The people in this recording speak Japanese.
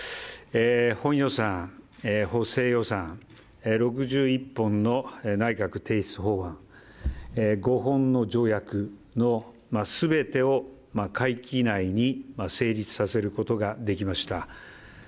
本予算、補正予算、６１本の内閣提出法案、５本の条約の全てを会期内に成立させることができました。